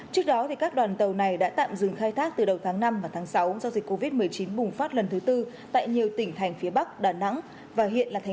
trước đó các đoàn tàu này đã tạm dừng khai thác từ đầu tháng năm và tháng sáu do dịch covid một mươi chín bùng phát lần thứ tư tại nhiều tỉnh thành phía bắc đà nẵng và hiện là thành phố